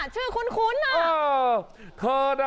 ชื่อคุ้นน่ะ